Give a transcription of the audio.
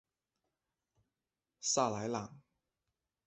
萨莱朗。